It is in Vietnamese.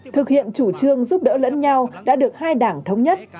thực hiện chủ trương giúp đỡ lẫn nhau đã được hai đảng thống nhất